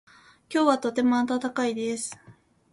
今日はとても暖かいです。